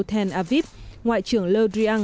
thane aviv ngoại trưởng le drian